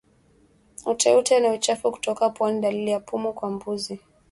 Uteute na uchafu kutoka puani ni dalili ya pumu kwa mbuzi